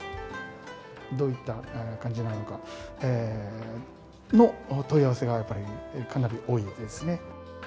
どういった感じなのか、の問い合わせがかなり多いようですね。